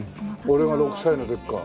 俺が６歳の時か。